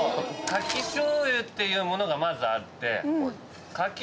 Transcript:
「かき醤油」っていうものがまずあって。